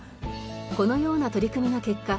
このような取り組みの結果